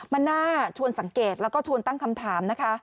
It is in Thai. มันน่าชวนสังเกตแล้วก็ชวนตั้งคำถามนะคะ